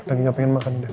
lagi gak pengen makan